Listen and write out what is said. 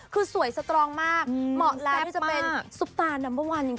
คือสวยสตรองมากเหมาะแล้วจะเป็นซุปตานัมเบอร์วันจริง